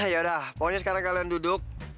ya yaudah pokoknya sekarang kalian duduk